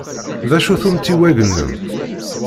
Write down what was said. D acu-t umtiweg-nnem?